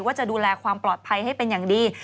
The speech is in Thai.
ว่าจะดูแลความปลอดภัยให้เป็นอย่างดี